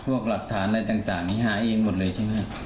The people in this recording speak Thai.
พวกหลักฐานอะไรต่างนี่หาเองหมดเลยใช่ไหม